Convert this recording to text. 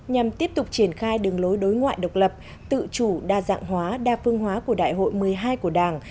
nhằm tiếp tục triển khai đường lối đối ngoại độc lập tự chủ đa dạng hóa đa phương hóa của đại hội một mươi hai của đảng